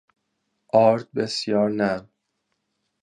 آرد بسیار نرم